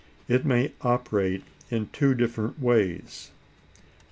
It may operate in two different ways: (1.)